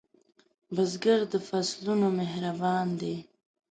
بزګر د فصلونو مهربان دی